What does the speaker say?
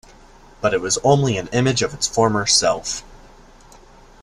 But it was only an image of its former self.